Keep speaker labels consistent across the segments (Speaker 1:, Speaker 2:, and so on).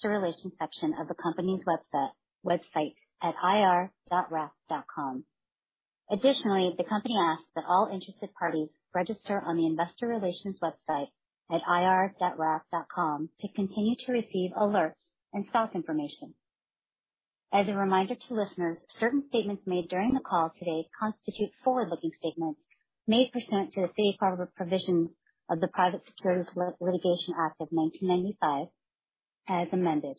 Speaker 1: Investor relations section of the company's website, website at ir.wrap.com. Additionally, the company asks that all interested parties register on the investor relations website at ir.wrap.com to continue to receive alerts and stock information. As a reminder to listeners, certain statements made during the call today constitute forward-looking statements made pursuant to the safe harbor provision of the Private Securities Litigation Reform Act of 1995, as amended.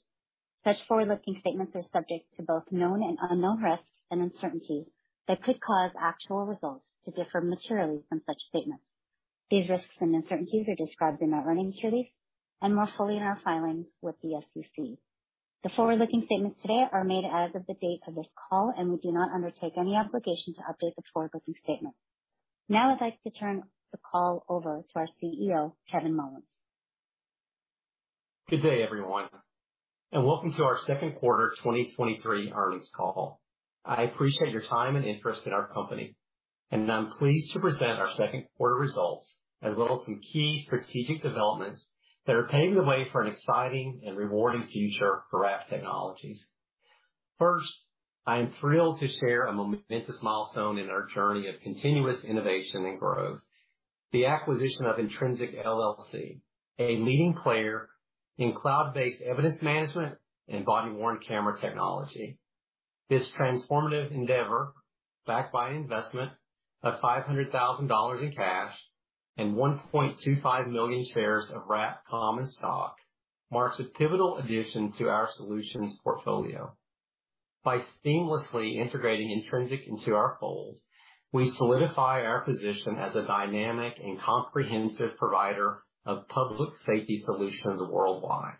Speaker 1: Such forward-looking statements are subject to both known and unknown risks and uncertainties that could cause actual results to differ materially from such statements. These risks and uncertainties are described in our earnings release and more fully in our filings with the SEC. The forward-looking statements today are made as of the date of this call, and we do not undertake any obligation to update the forward-looking statement. Now I'd like to turn the call over to our CEO, Kevin Mullins.
Speaker 2: Good day, everyone, and welcome to our second quarter 2023 earnings call. I appreciate your time and interest in our company, and I'm pleased to present our second quarter results, as well as some key strategic developments that are paving the way for an exciting and rewarding future for Wrap Technologies. First, I am thrilled to share a momentous milestone in our journey of continuous innovation and growth. The acquisition of Intrensic, LLC, a leading player in cloud-based evidence management and body-worn camera technology. This transformative endeavor, backed by an investment of $500,000 in cash and 1.25 million shares of Wrap common stock, marks a pivotal addition to our solutions portfolio. By seamlessly integrating Intrensic into our fold, we solidify our position as a dynamic and comprehensive provider of public safety solutions worldwide.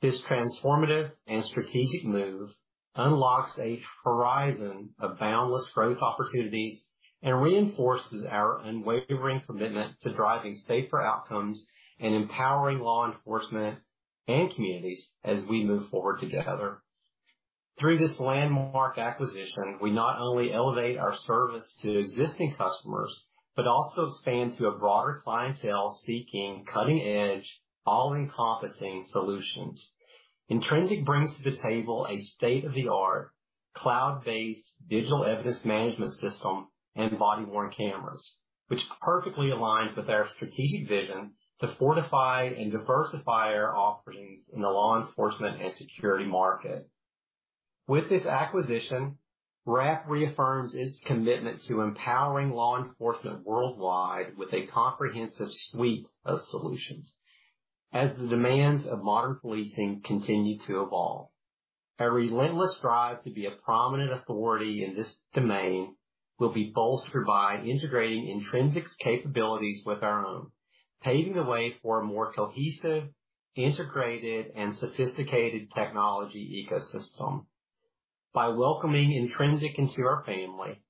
Speaker 2: This transformative and strategic move unlocks a horizon of boundless growth opportunities and reinforces our unwavering commitment to driving safer outcomes and empowering law enforcement and communities as we move forward together. Through this landmark acquisition, we not only elevate our service to existing customers, but also expand to a broader clientele seeking cutting-edge, all-encompassing solutions. Intrensic brings to the table a state-of-the-art, cloud-based digital evidence management system and body-worn cameras, which perfectly aligns with our strategic vision to fortify and diversify our offerings in the law enforcement and security market. With this acquisition, Wrap reaffirms its commitment to empowering law enforcement worldwide with a comprehensive suite of solutions as the demands of modern policing continue to evolve. Our relentless drive to be a prominent authority in this domain will be bolstered by integrating Intrensic's capabilities with our own, paving the way for a more cohesive, integrated, and sophisticated technology ecosystem. By welcoming Intrensic into our family,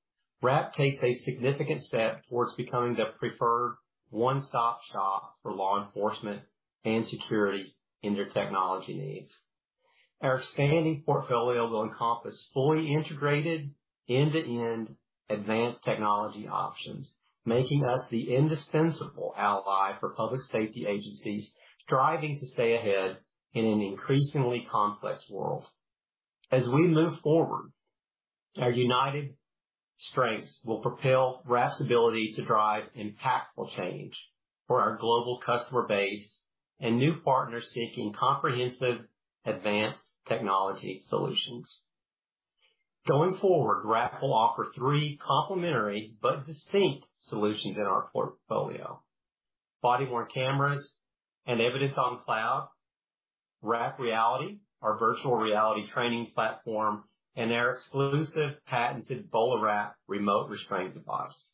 Speaker 2: Wrap takes a significant step towards becoming the preferred one-stop shop for law enforcement and security in their technology needs. Our expanding portfolio will encompass fully integrated, end-to-end advanced technology options, making us the indispensable ally for public safety agencies striving to stay ahead in an increasingly complex world. As we move forward, our united strengths will propel Wrap's ability to drive impactful change for our global customer base and new partners seeking comprehensive advanced technology solutions. Going forward, Wrap will offer three complementary but distinct solutions in our portfolio: body-worn cameras and EvidenceOnCloud, WrapReality, our virtual reality training platform, and our exclusive patented BolaWrap remote restraint device.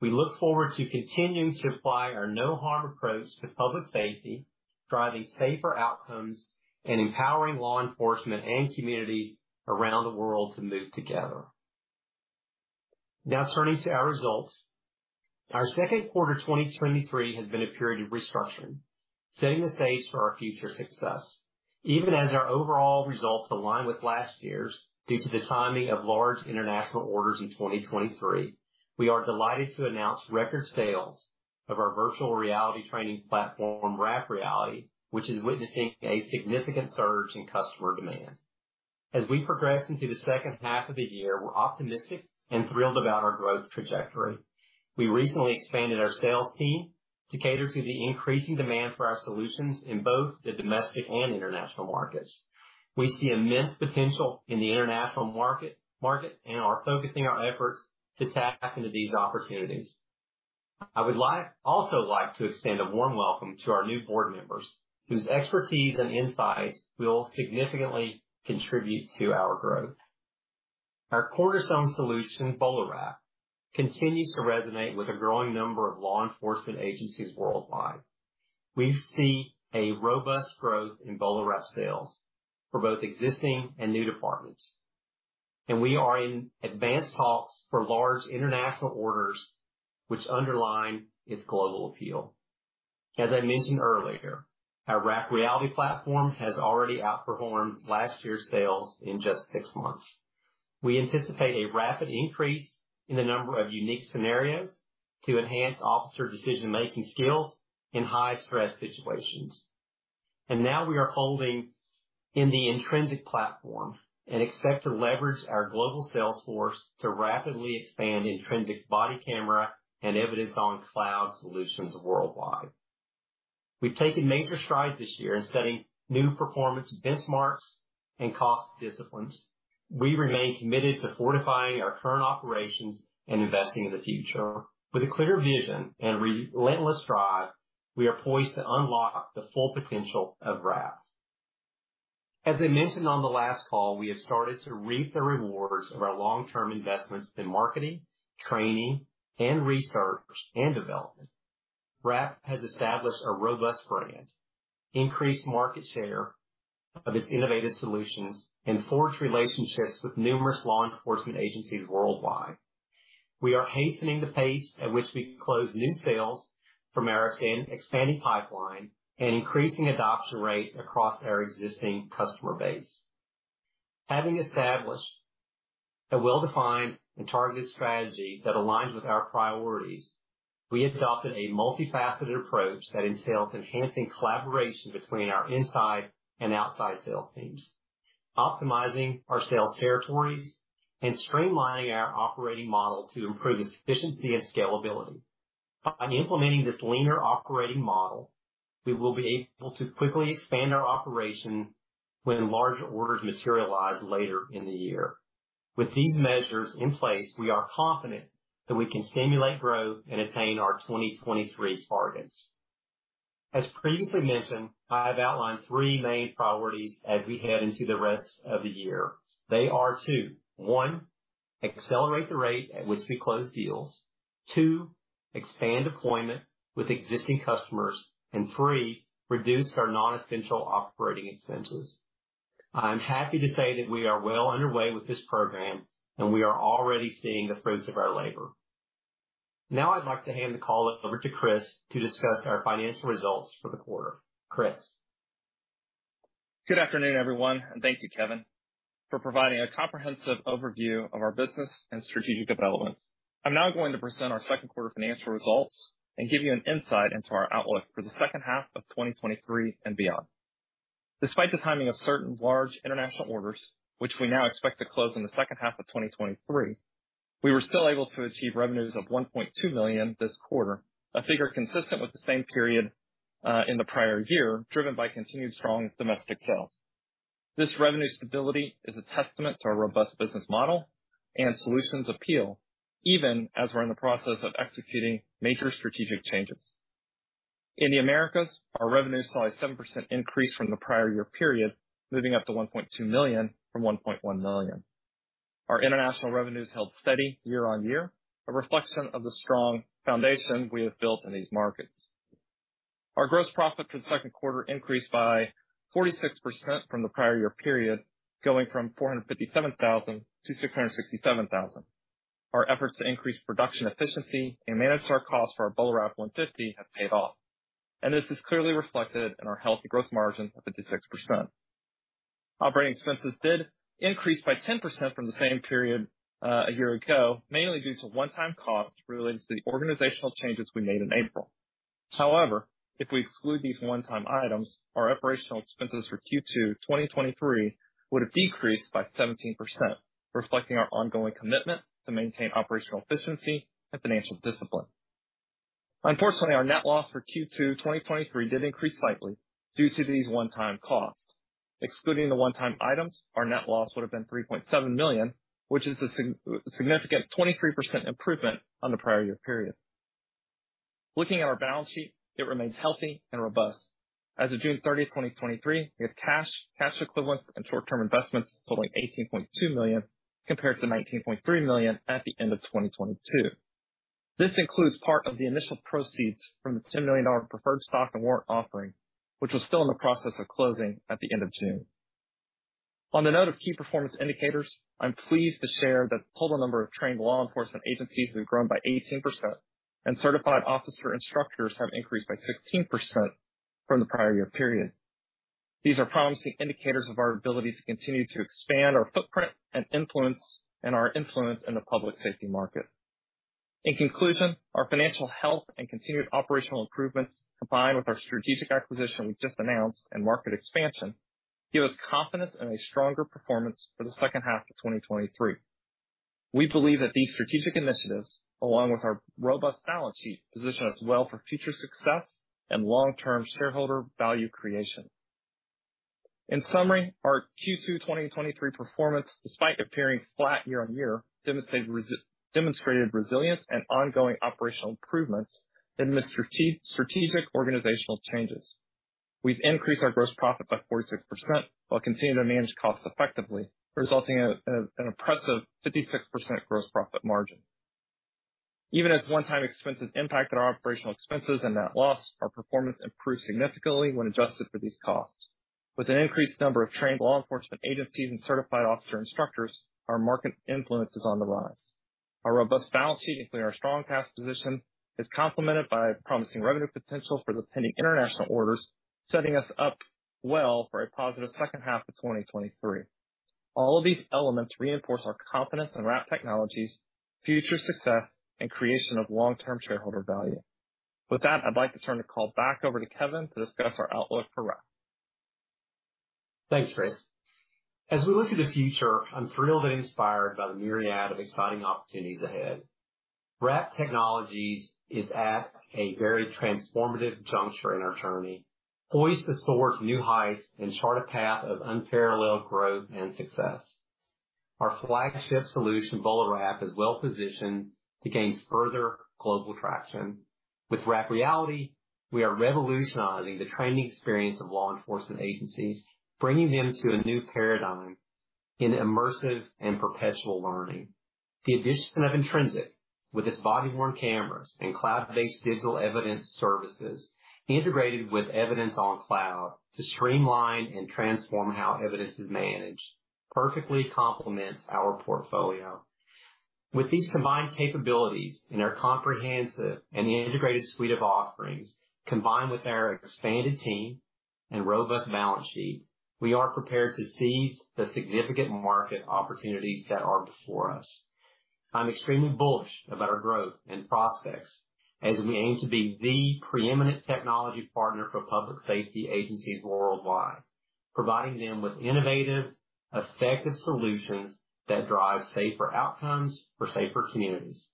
Speaker 2: We look forward to continuing to apply our no-harm approach to public safety, driving safer outcomes, and empowering law enforcement and communities around the world to move together. Now, turning to our results. Our second quarter 2023 has been a period of restructuring, setting the stage for our future success. Even as our overall results align with last year's, due to the timing of large international orders in 2023, we are delighted to announce record sales of our virtual reality training platform, WrapReality, which is witnessing a significant surge in customer demand. As we progress into the second half of the year, we're optimistic and thrilled about our growth trajectory. We recently expanded our sales team to cater to the increasing demand for our solutions in both the domestic and international markets. We see immense potential in the international market, and are focusing our efforts to tap into these opportunities. I would like-- also like to extend a warm welcome to our new board members, whose expertise and insights will significantly contribute to our growth. Our cornerstone solution, BolaWrap, continues to resonate with a growing number of law enforcement agencies worldwide. We see a robust growth in BolaWrap sales for both existing and new departments, and we are in advanced talks for large international orders, which underline its global appeal. As I mentioned earlier, our WrapReality platform has already outperformed last year's sales in just six months. We anticipate a rapid increase in the number of unique scenarios to enhance officer decision-making skills in high-stress situations. Now we are folding in the Intrensic platform and expect to leverage our global sales force to rapidly expand Intrensic's body camera and EvidenceOnCloud solutions worldwide. We've taken major strides this year in setting new performance benchmarks and cost disciplines. We remain committed to fortifying our current operations and investing in the future. With a clear vision and relentless drive, we are poised to unlock the full potential of Wrap. As I mentioned on the last call, we have started to reap the rewards of our long-term investments in marketing, training, and research and development. Wrap has established a robust brand, increased market share of its innovative solutions, and forged relationships with numerous law enforcement agencies worldwide. We are hastening the pace at which we close new sales for American, expanding pipeline, and increasing adoption rates across our existing customer base. Having established a well-defined and targeted strategy that aligns with our priorities, we adopted a multifaceted approach that entails enhancing collaboration between our inside and outside sales teams, optimizing our sales territories, and streamlining our operating model to improve efficiency and scalability. By implementing this leaner operating model, we will be able to quickly expand our operation when larger orders materialize later in the year. With these measures in place, we are confident that we can stimulate growth and attain our 2023 targets. As previously mentioned, I have outlined three main priorities as we head into the rest of the year. They are to, one, accelerate the rate at which we close deals. Two, expand deployment with existing customers., Three, reduce our non-essential operating expenses. I'm happy to say that we are well underway with this program, we are already seeing the fruits of our labor. Now I'd like to hand the call over to Chris to discuss our financial results for the quarter. Chris?
Speaker 3: Good afternoon, everyone, thank you, Kevin, for providing a comprehensive overview of our business and strategic developments. I'm now going to present our second quarter financial results and give you an insight into our outlook for the second half of 2023 and beyond. Despite the timing of certain large international orders, which we now expect to close in the second half of 2023, we were still able to achieve revenues of $1.2 million this quarter, a figure consistent with the same period in the prior year, driven by continued strong domestic sales. This revenue stability is a testament to our robust business model and solutions appeal, even as we're in the process of executing major strategic changes. In the Americas, our revenues saw a 7% increase from the prior year period, moving up to $1.2 million from $1.1 million. Our international revenues held steady year-over-year, a reflection of the strong foundation we have built in these markets. Our gross profit for the second quarter increased by 46% from the prior year period, going from $457,000 to $667,000. Our efforts to increase production efficiency and manage our costs for our BolaWrap 150 have paid off, and this is clearly reflected in our healthy gross margin of 56%. Operating expenses did increase by 10% from the same period a year ago, mainly due to one-time costs related to the organizational changes we made in April. However, if we exclude these one-time items, our operational expenses for Q2 2023 would have decreased by 17%, reflecting our ongoing commitment to maintain operational efficiency and financial discipline. Unfortunately, our net loss for Q2 2023 did increase slightly due to these one-time costs. Excluding the one-time items, our net loss would have been $3.7 million, which is a significant 23% improvement on the prior year period. Looking at our balance sheet, it remains healthy and robust. As of June 30, 2023, we have cash, cash equivalents, and short-term investments totaling $18.2 million, compared to $19.3 million at the end of 2022. This includes part of the initial proceeds from the $10 million preferred stock and warrants offering, which was still in the process of closing at the end of June. On the note of key performance indicators, I'm pleased to share that the total number of trained law enforcement agencies have grown by 18%, and certified officer instructors have increased by 16% from the prior year period. These are promising indicators of our ability to continue to expand our footprint and influence, and our influence in the public safety market. In conclusion, our financial health and continued operational improvements, combined with our strategic acquisition we've just announced and market expansion, give us confidence and a stronger performance for the second half of 2023. We believe that these strategic initiatives, along with our robust balance sheet, position us well for future success and long-term shareholder value creation. In summary, our Q2 2023 performance, despite appearing flat year-over-year, demonstrated resilience and ongoing operational improvements amid strategic organizational changes. We've increased our gross profit by 46% while continuing to manage costs effectively, resulting in an impressive 56% gross profit margin. Even as one-time expenses impacted our operational expenses and net loss, our performance improved significantly when adjusted for these costs. With an increased number of trained law enforcement agencies and certified officer instructors, our market influence is on the rise. Our robust balance sheet, including our strong cash position, is complemented by promising revenue potential for the pending international orders, setting us up well for a positive second half of 2023. All of these elements reinforce our confidence in Wrap Technologies' future success and creation of long-term shareholder value. With that, I'd like to turn the call back over to Kevin to discuss our outlook for Wrap.
Speaker 2: Thanks, Chris. As we look to the future, I'm thrilled and inspired by the myriad of exciting opportunities ahead. Wrap Technologies is at a very transformative juncture in our journey, poised to soar to new heights and chart a path of unparalleled growth and success. Our flagship solution, BolaWrap, is well positioned to gain further global traction. With WrapReality, we are revolutionizing the training experience of law enforcement agencies, bringing them to a new paradigm in immersive and perpetual learning. The addition of Intrensic, with its body-worn cameras and cloud-based digital evidence services, integrated with EvidenceOnCloud to streamline and transform how evidence is managed, perfectly complements our portfolio. With these combined capabilities and our comprehensive and integrated suite of offerings, combined with our expanded team and robust balance sheet, we are prepared to seize the significant market opportunities that are before us. I'm extremely bullish about our growth and prospects as we aim to be the preeminent technology partner for public safety agencies worldwide, providing them with innovative, effective solutions that drive safer outcomes for safer communities.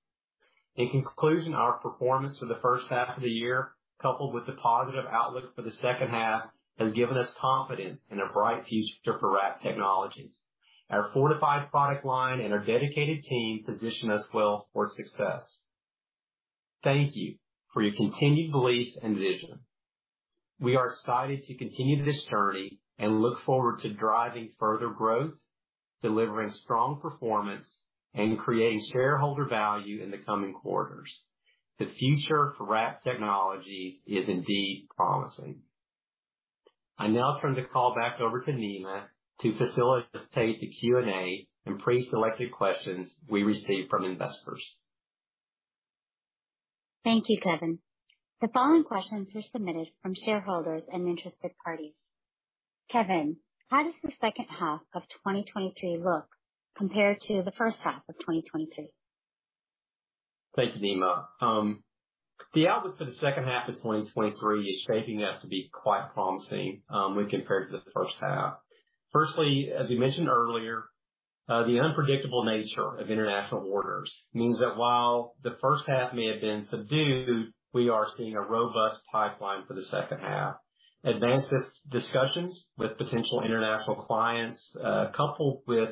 Speaker 2: In conclusion, our performance for the first half of the year, coupled with the positive outlook for the second half, has given us confidence in a bright future for Wrap Technologies. Our fortified product line and our dedicated team position us well for success. Thank you for your continued belief and vision. We are excited to continue this journey and look forward to driving further growth, delivering strong performance, and creating shareholder value in the coming quarters. The future for Wrap Technologies is indeed promising. I now turn the call back over to Neema to facilitate the Q&A and pre-selected questions we received from investors.
Speaker 1: Thank you, Kevin. The following questions were submitted from shareholders and interested parties. Kevin, how does the second half of 2023 look compared to the first half of 2023?
Speaker 2: Thanks, Neema. The outlook for the second half of 2023 is shaping up to be quite promising when compared to the first half. Firstly, as we mentioned earlier, the unpredictable nature of international orders means that while the first half may have been subdued, we are seeing a robust pipeline for the second half. Advanced discussions with potential international clients, coupled with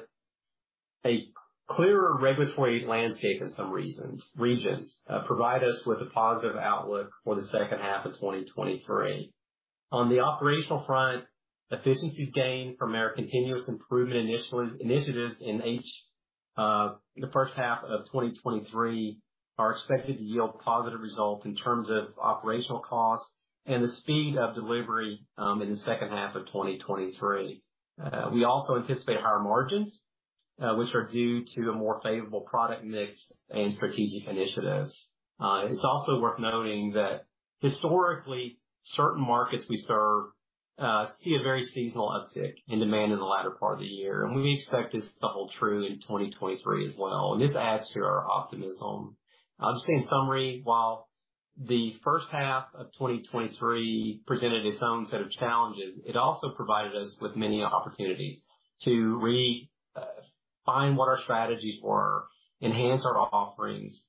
Speaker 2: a clearer regulatory landscape in some regions, provide us with a positive outlook for the second half of 2023. On the operational front, efficiencies gained from our continuous improvement initiatives in the first half of 2023, are expected to yield positive results in terms of operational costs and the speed of delivery in the second half of 2023. We also anticipate higher margins, which are due to a more favorable product mix and strategic initiatives. It's also worth noting that historically, certain markets we serve, see a very seasonal uptick in demand in the latter part of the year, and we expect this to hold true in 2023 as well. This adds to our optimism. Just in summary, while the first half of 2023 presented its own set of challenges, it also provided us with many opportunities to find what our strategies were, enhance our offerings,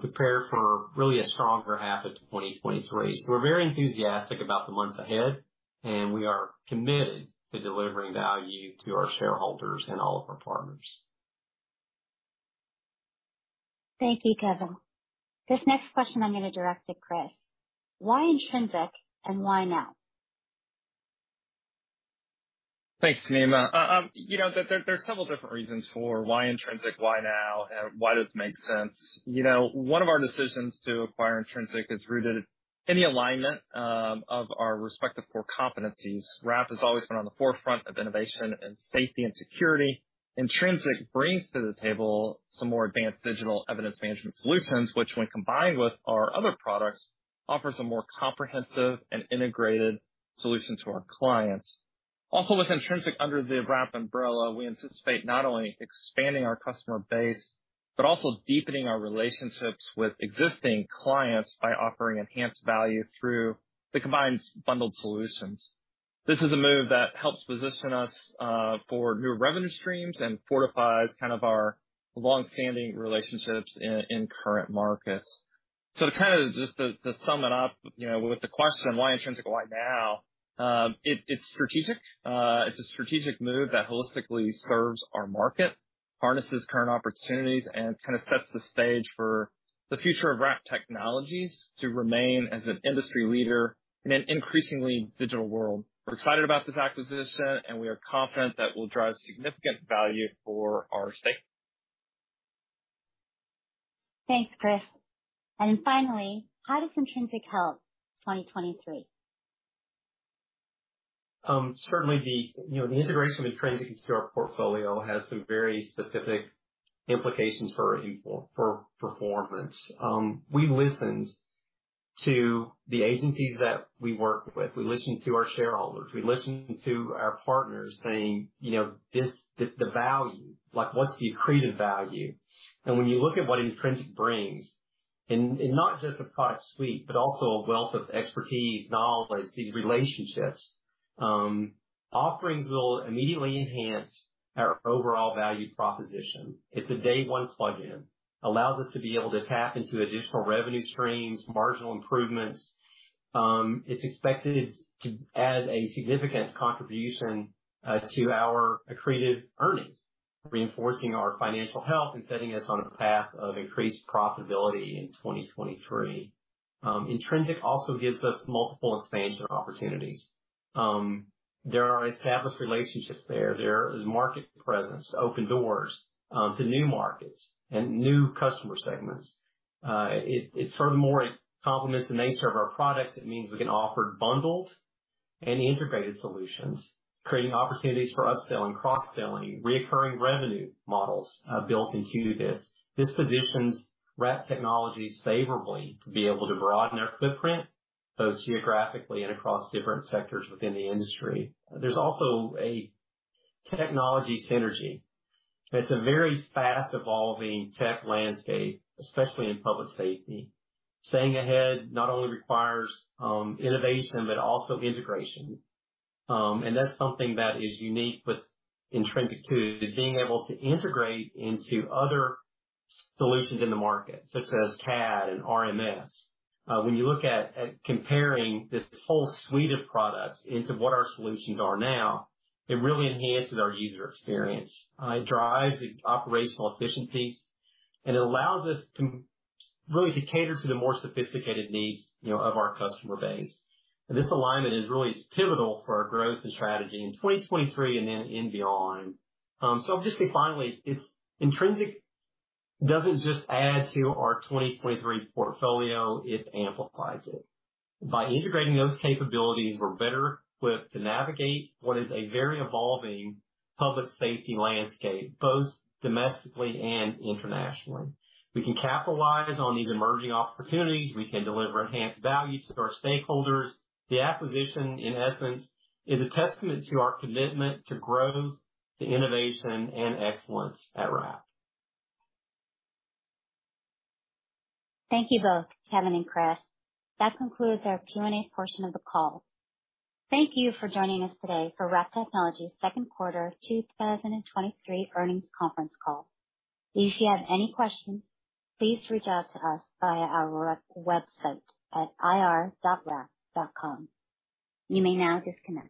Speaker 2: prepare for really a stronger half of 2023. We're very enthusiastic about the months ahead, and we are committed to delivering value to our shareholders and all of our partners.
Speaker 1: Thank you, Kevin. This next question I'm going to direct to Chris. Why Intrensic and why now?
Speaker 3: Thanks, Neema. You know, there, there are several different reasons for why Intrensic, why now, and why this makes sense. You know, one of our decisions to acquire Intrensic is rooted in the alignment of our respective core competencies. Wrap has always been on the forefront of innovation and safety and security. Intrensic brings to the table some more advanced digital evidence management solutions, which when combined with our other products, offers a more comprehensive and integrated solution to our clients. Also, with Intrensic under the Wrap umbrella, we anticipate not only expanding our customer base, but also deepening our relationships with existing clients by offering enhanced value through the combined bundled solutions. This is a move that helps position us for new revenue streams and fortifies kind of our long-standing relationships in, in current markets. To kind of just to, to sum it up, you know, with the question, why Intrensic, why now? It's strategic. It's a strategic move that holistically serves our market, harnesses current opportunities, and kind of sets the stage for the future of Wrap Technologies to remain as an industry leader in an increasingly digital world. We're excited about this acquisition, and we are confident that we'll drive significant value for our stake.
Speaker 1: Thanks, Chris. Finally, how does Intrensic help 2023?
Speaker 2: Certainly the, you know, the integration of the Intrensic into our portfolio has some very specific implications for, for, for performance. We listened to the agencies that we work with. We listened to our shareholders. We listened to our partners saying, you know, this, the, the value, like, what's the accreted value? When you look at what Intrensic brings, and, and not just the product suite, but also a wealth of expertise, knowledge, these relationships, offerings will immediately enhance our overall value proposition. It's a day one plug-in. Allows us to be able to tap into additional revenue streams, marginal improvements. It's expected to add a significant contribution to our accretive earnings, reinforcing our financial health and setting us on a path of increased profitability in 2023. Intrensic also gives us multiple expansion opportunities. There are established relationships there. There is market presence, open doors, to new markets and new customer segments. It, it furthermore, it complements the nature of our products. It means we can offer bundled and integrated solutions, creating opportunities for upselling, cross-selling, reoccurring revenue models, built into this. This positions Wrap Technologies favorably to be able to broaden their footprint, both geographically and across different sectors within the industry. There's also a technology synergy. It's a very fast evolving tech landscape, especially in public safety. Staying ahead not only requires, innovation, but also integration. And that's something that is unique with Intrensic, too, is being able to integrate into other solutions in the market, such as CAD and RMS. When you look at, at comparing this whole suite of products into what our solutions are now, it really enhances our user experience. It drives operational efficiencies, it allows us to really to cater to the more sophisticated needs, you know, of our customer base. This alignment is really pivotal for our growth and strategy in 2023 and beyond. Just finally, Intrensic doesn't just add to our 2023 portfolio, it amplifies it. By integrating those capabilities, we're better equipped to navigate what is a very evolving public safety landscape, both domestically and internationally. We can capitalize on these emerging opportunities. We can deliver enhanced value to our stakeholders. The acquisition, in essence, is a testament to our commitment to growth, to innovation, and excellence at Wrap.
Speaker 1: Thank you both, Kevin and Chris. That concludes our Q&A portion of the call. Thank you for joining us today for Wrap Technologies' second quarter 2023 earnings conference call. If you have any questions, please reach out to us via our website at ir.wrap.com. You may now disconnect.